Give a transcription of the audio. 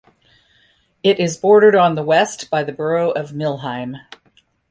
It is bordered on the west by the borough of Millheim.